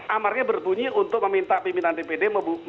amarnya berbunyi untuk meminta pimpinan dpd